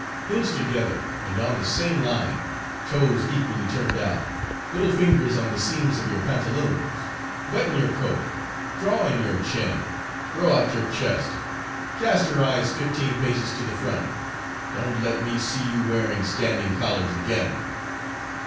"Heels together and on the same line, toes equally turned out, little fingers on the seams of your pantaloons, button your coat, draw in your chin, throw out your chest, cast your eyes fifteen paces to the front, don't let me see you wearing standing collars again.